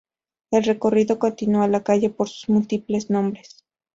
El recorrido continúa la calle por sus múltiples nombres.